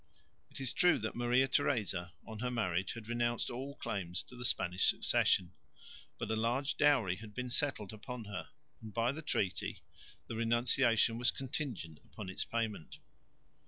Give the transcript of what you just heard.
It is true that Maria Theresa, on her marriage, had renounced all claims to the Spanish succession. But a large dowry had been settled upon her, and by the treaty the renunciation was contingent upon its payment.